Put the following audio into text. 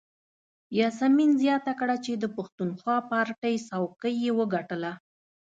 یاسمین زیاته کړه چې د پښتونخوا پارټۍ څوکۍ یې وګټله.